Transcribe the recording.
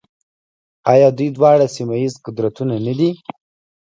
آیا دوی دواړه سیمه ییز قدرتونه نه دي؟